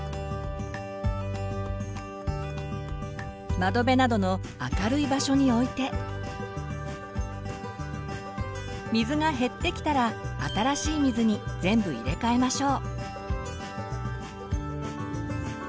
窓辺などの明るい場所に置いて水が減ってきたら新しい水に全部入れかえましょう。